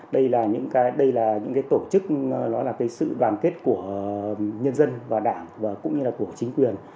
đây là những tổ chức nó là sự đoàn kết của nhân dân và đảng cũng như là của chính quyền